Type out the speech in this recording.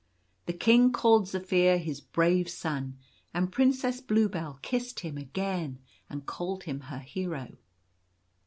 The King called Zaphir his Brave Son; and Princess Bluebell kissed him again, and called him her Hero.